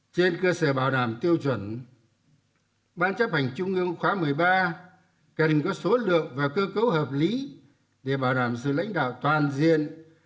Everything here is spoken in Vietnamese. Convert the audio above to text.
trên cơ sở bảo đảm tiêu chuẩn ban chấp hành trung ương khóa một mươi ba cần có số lượng và cơ cấu hợp lý để bảo đảm sự lãnh đạo toàn diện